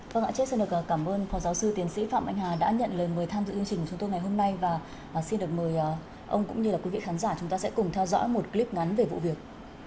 vâng ạ trước xin được cảm ơn phó giáo sư tiến sĩ phạm anh hà đã nhận lời mời tham dự chương trình của chúng tôi ngày hôm nay và xin được mời ông cũng như quý vị khán giả chúng ta sẽ cùng theo dõi một clip ngắn về vụ việc